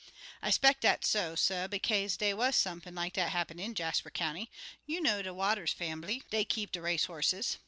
"I 'speck dat's so, suh, bekaze dey wuz sump'n like dat happen in Jasper County. You know de Waters fambly dey kep' race hosses.